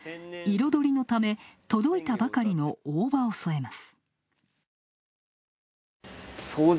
彩りのため、届いたばかりの大葉を添えます。